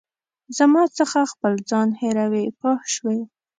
زما څخه خپل ځان هېروې پوه شوې!.